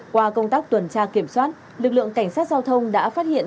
qua công tác tuần tra kiểm soát lực lượng cảnh sát giao thông đã phát hiện